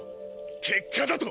結果だと！？